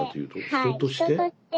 人として？